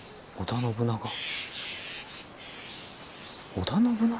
織田信長。